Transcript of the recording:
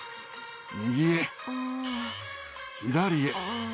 右へ、左へ。